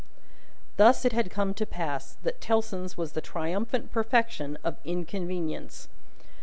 Thus it had come to pass, that Tellson's was the triumphant perfection of inconvenience.